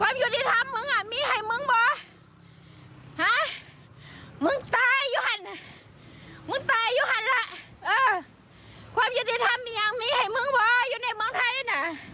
โรงพักฤชฌาอื่น